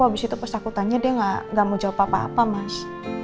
abis itu pas aku tanya dia gak mau jawab apa apa mas